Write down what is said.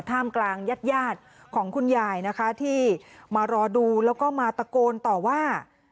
ท่ามกลางญาติยาดของคุณยายนะคะที่มารอดูแล้วก็มาตะโกนต่อว่า